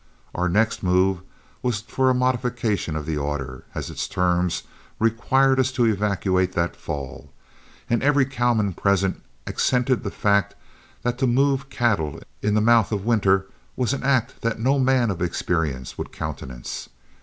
Our next move was for a modification of the order, as its terms required us to evacuate that fall, and every cowman present accented the fact that to move cattle in the mouth of winter was an act that no man of experience would countenance.